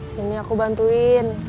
di sini aku bantuin